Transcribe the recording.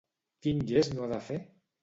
Quin gest no ha de fer?